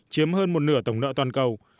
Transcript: chiếm hơn một nửa tổng nợ toàn cầu